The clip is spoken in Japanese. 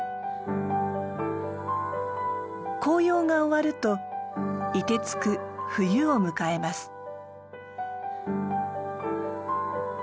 紅葉が終わると凍てつく冬を迎えます。